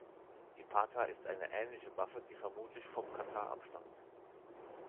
Die Pata ist eine ähnliche Waffe, die vermutlich vom Katar abstammt.